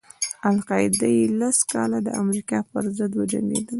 القاعده یې لس کاله د امریکا پر ضد وجنګېدله.